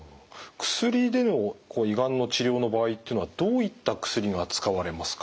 薬での胃がんの治療の場合っていうのはどういった薬が使われますか？